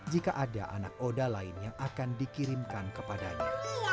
jika ada anak oda lain yang akan dikirimkan kepadanya